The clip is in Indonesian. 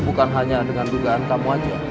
bukan hanya dengan dugaan kamu saja